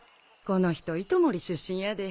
この人糸守出身やで。